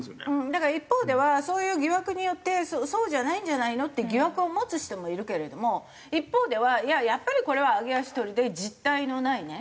だから一方ではそういう疑惑によってそうじゃないんじゃないのっていう疑惑を持つ人もいるけれども一方ではいややっぱりこれは揚げ足取りで実体のないね。